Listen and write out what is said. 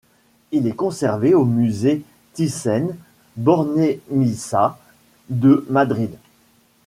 Il est conservé au musée Thyssen-Bornemisza de Madrid.